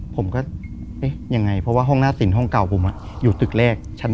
ผมก็เอ๊ะยังไงเพราะว่าห้องหน้าสินห้องเก่าผมอยู่ตึกแรกชั้น๒